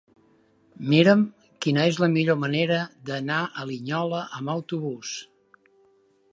Mira'm quina és la millor manera d'anar a Linyola amb autobús.